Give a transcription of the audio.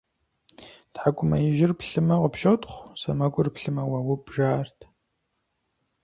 ТхьэкӀумэ ижьыр плъымэ, къыпщотхъу, сэмэгур плъымэ - уауб, жаӀэрт.